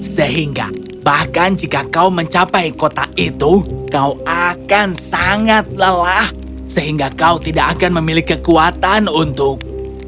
sehingga bahkan jika kau mencapai kota itu kau akan sangat lelah sehingga kau tidak akan memiliki kekuatan untuk